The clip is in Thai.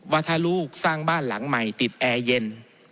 ว่าถ้าลูกสร้างบ้านหลังใหม่ติดแอร์เย็น